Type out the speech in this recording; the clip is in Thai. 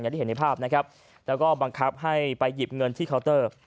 และบังคับให้ไปหยิบเงินที่เคาน์เตอร์